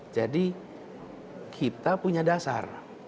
jadi kita punya dasar